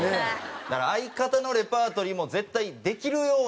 だから相方のレパートリーも絶対できるようにしておかないと。